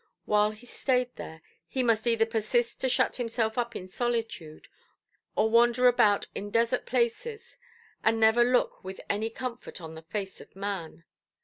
While he stayed there, he must either persist to shut himself up in solitude, or wander about in desert places, and never look with any comfort on the face of man.